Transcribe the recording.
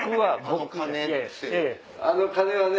あの鐘はね